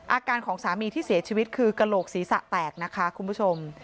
อาการของสามีที่เสียชีวิตคือกระโหลกศีรษะแตกนะคะคุณผู้ชม